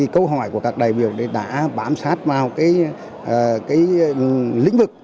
câu hỏi của các đại biểu đã bám sát vào lĩnh vực